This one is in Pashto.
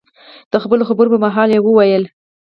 د خپلو خبرو په مهال، وویل: